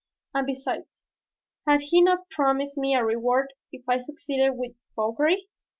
And besides, had he not promised me a reward if I succeeded with Fauchery?